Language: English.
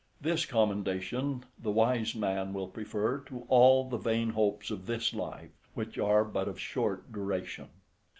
This commendation, the wise man will prefer to all the vain hopes of this life, which are but of short duration.